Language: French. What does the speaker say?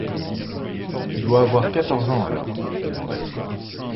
Tu dois avoir quatorze ans alors ? demanda-t-il